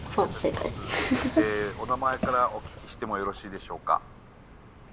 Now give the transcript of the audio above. お名前からお聞きしてもよろしいでしょうか？